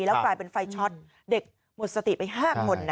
แล้วกลายเป็นไฟช็อตเด็กหมดสติไป๕คน